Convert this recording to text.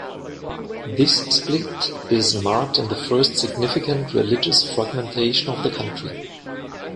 This split in marked the first significant religious fragmentation of the country.